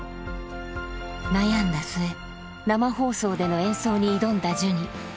悩んだ末生放送での演奏に挑んだジュニ。